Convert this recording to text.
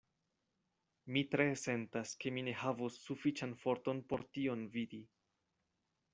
Mi tre sentas, ke mi ne havos sufiĉan forton por tion vidi.